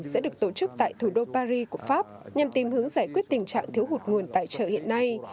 sẽ được tổ chức tại thủ đô paris của pháp nhằm tìm hướng giải quyết tình trạng thiếu hụt nguồn tài trợ hiện nay